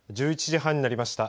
１１時半になりました。